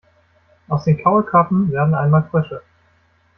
Aus den Kaulquappen werden einmal Frösche.